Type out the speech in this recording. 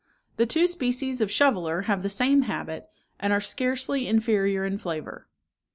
The two species of shoveler have the same habit, and are scarcely inferior in flavour.